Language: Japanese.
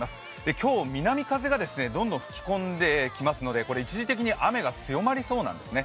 今日、南風がとんどん吹き込んできますので、一時的に雨が強まりそうなんですね。